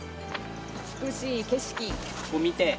美しい景色。を見て。